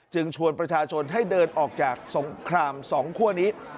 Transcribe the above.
ชวนประชาชนให้เดินออกจากสงคราม๒คั่วนี้